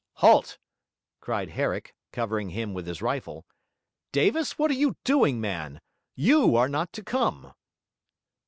'Halt!' cried Herrick, covering him with his rifle. 'Davis, what are you doing, man? YOU are not to come.'